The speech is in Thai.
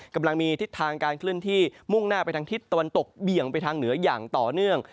กำลังมีทิศทางการเคลื่อนที่มุ่งหน้าไปทางทิศตะวันตกเบี่ยงไปทางเหนืออย่างต่อเนื่อง